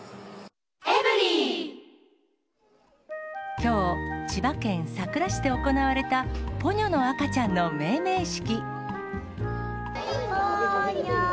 きょう、千葉県佐倉市で行われた、ポニョの赤ちゃんの命名式。